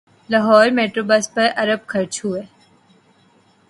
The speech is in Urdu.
لاہور میٹروبس پر ارب خرچ ہوئے